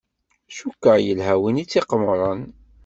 Cukkeɣ yelha win tt-iqemmren.